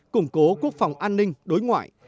củng cố quốc phòng an ninh đối ngoại